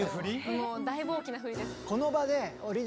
もうだいぶ大きなフリです。